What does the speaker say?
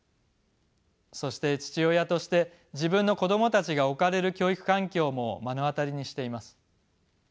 そして父親として自分の子どもたちが置かれる教育環境も目の当たりにしています。